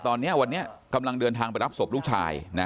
ตอนนี้วันนี้กำลังเดินทางไปรับศพลูกชาย